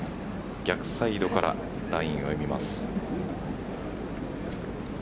逆サイドからラインを読みます。